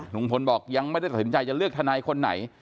ลุงพลบอกยังไม่ได้ตัดสินใจจะเลือกทนายคนไหน